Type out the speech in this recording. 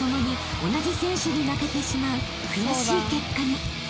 ［悔しい結果に］